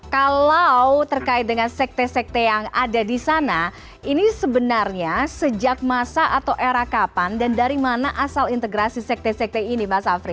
kalau terkait dengan sekte sekte yang ada di sana ini sebenarnya sejak masa atau era kapan dan dari mana asal integrasi sekte sekte ini mas afri